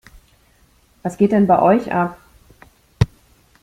Was geht denn bei euch ab?